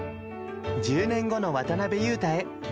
１０年後の渡邊雄太へ。